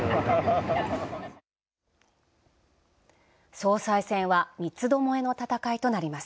総裁選は三つ巴の闘いとなります。